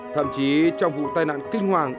thậm chí trong vụ tai nạn kinh hoàng